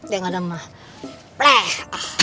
yang ada mah pleh